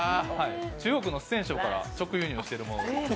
中国の四川省から直輸入しているものです。